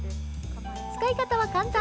使い方は簡単。